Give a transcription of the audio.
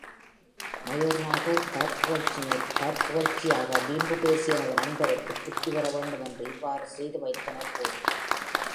மயூர்நாதர், தற்புகழ்ச்சியாக வீம்பு பேசிய எனது நண்பருக்கு புத்தி வர வேண்டும் என்று இவ்வாறு செய்து வைத்தனர் போலும்.